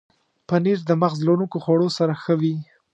پنېر د مغز لرونکو خوړو سره ښه وي.